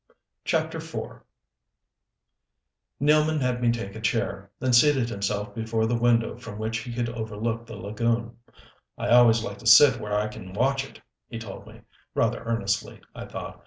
CHAPTER IV Nealman had me take a chair, then seated himself before the window from which he could overlook the lagoon. "I always like to sit where I can watch it," he told me rather earnestly, I thought.